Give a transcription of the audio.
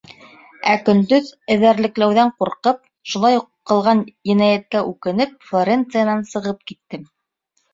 Ә көндөҙ эҙәрлекләүҙән ҡурҡып, шулай уҡ ҡылынған енәйәткә үкенеп, Флоренциянан сығып киттем.